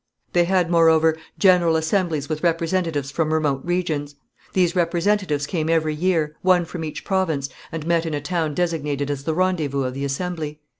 They had, moreover, general assemblies with representatives from remote regions. These representatives came every year, one from each province, and met in a town designated as the rendezvous of the assembly.